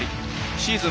シーズン